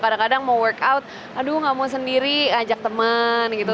kadang kadang mau workout aduh gak mau sendiri ajak teman gitu